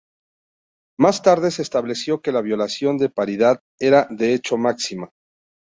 Más tarde se estableció que la violación de paridad era de hecho máxima.